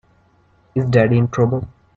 Is Daddy in trouble?